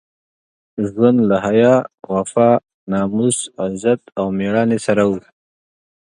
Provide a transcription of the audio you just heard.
ژوند له حیا، وفا، ناموس، عزت او مېړانې سره وو.